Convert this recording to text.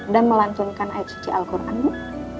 dan melancongkan icc alkurnia